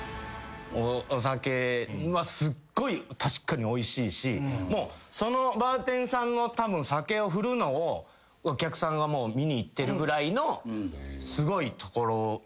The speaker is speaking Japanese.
お酒すっごい確かにおいしいしそのバーテンさんの酒を振るのをお客さんが見に行ってるぐらいのすごい所やから。